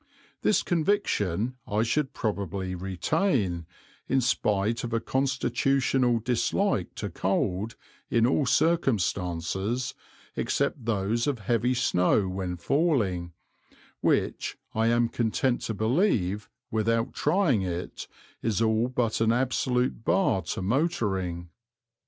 This conviction I should probably retain, in spite of a constitutional dislike to cold, in all circumstances except those of heavy snow when falling, which, I am content to believe, without trying it, is all but an absolute bar to motoring.